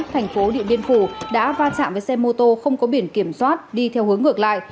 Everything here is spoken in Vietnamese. thành phố điện biên phủ đã va chạm với xe mô tô không có biển kiểm soát đi theo hướng ngược lại